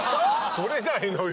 取れないのよ